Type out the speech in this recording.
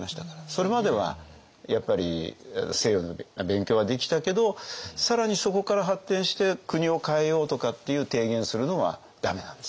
それまではやっぱり西洋の勉強はできたけど更にそこから発展して国を変えようとかっていう提言するのは駄目なんですよ。